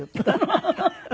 ハハハハ！